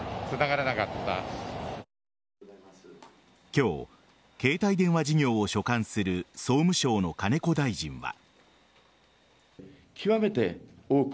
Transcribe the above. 今日、携帯電話事業を所管する総務省の金子大臣は。